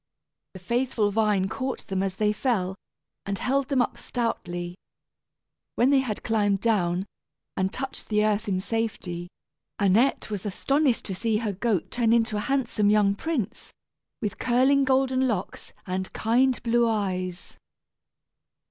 The faithful vine caught them as they fell, and held them up stoutly. When they had climbed down, and touched the earth in safety, Annette was astonished to see her goat turn into a handsome young prince, with curling golden locks and kind blue eyes.